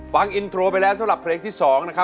ฟังอินโทรไปแล้วสำหรับเพลงที่๒นะครับ